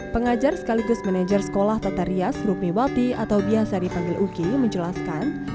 pengajar sekaligus manajer sekolah tata rias rumiwati atau biasa dipanggil uki menjelaskan